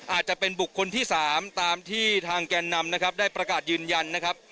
อาจจะเป็นบุคคลที่๓ตามที่ทางแกนนำนะครับได้ประกาศยืนยันนะครับ